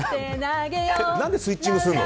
何でスイッチングするの？